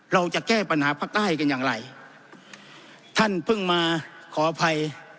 เราจะแก้ปัญหาภาคใต้กันอย่างไรท่านเพิ่งมาขออภัย